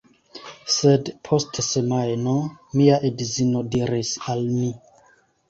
Sed, post semajno, mia edzino diris al mi: